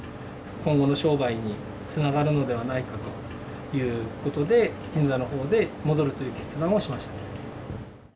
今後の商売につながるのではないかということで、銀座のほうに戻るという決断をしました。